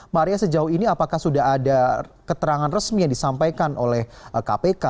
maria sejauh ini apakah sudah ada keterangan resmi yang disampaikan oleh kpk